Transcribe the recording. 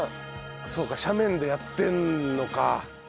そっか斜面でやってんのか。